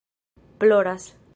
ploras